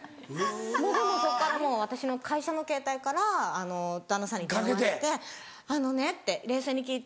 もうでもそっからもう私の会社のケータイから旦那さんに電話して「あのね冷静に聞いて。